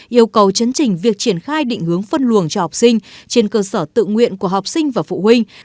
yêu cầu chấn trình việc triển khai định hướng phân luồng cho học sinh trên cơ sở tự nguyện của học sinh và phụ huynh